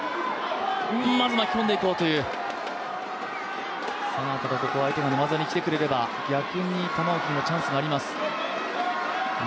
まず巻き込んでいこうというここで相手が寝技にきてくれれば逆に玉置にもチャンスがあります。